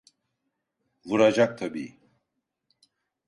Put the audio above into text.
Vuracak tabii.